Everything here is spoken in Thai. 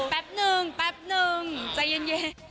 เป็ปนึงใจเย็น